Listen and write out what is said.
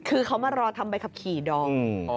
คือเขามารอทำใบขับขี่ดอม